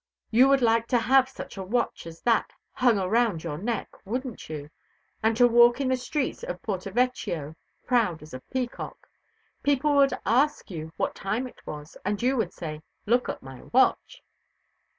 you would like to have such a watch as that hung around your neck, wouldn't you, and to walk in the streets of Porto Vecchio proud as a peacock? People would ask you what time it was, and you would say: 'Look at my watch.'"